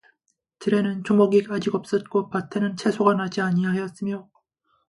들에는 초목이 아직 없었고 밭에는 채소가 나지 아니하였으며